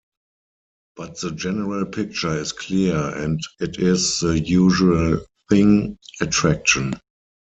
But the general picture is clear, and it is the usual thing: Attraction.